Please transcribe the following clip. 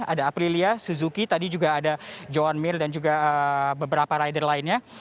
ada aprilia suzuki tadi juga ada john mir dan juga beberapa rider lainnya